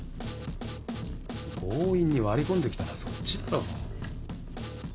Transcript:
強引に割り込んできたのはそっちだろ